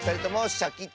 シャキット！